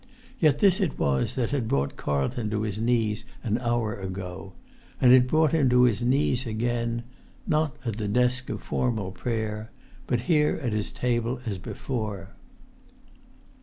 Yet this it was that had brought Carlton to his knees an hour ago; and it brought him to his knees again, not at the desk of formal prayer, but here at his table as before.